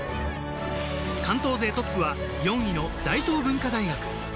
関東勢トップは４位の大東文化大学。